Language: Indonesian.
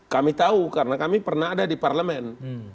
kami tahu karena kami pernah ada di parlemen